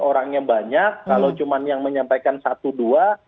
orangnya banyak kalau cuma yang menyampaikan satu dua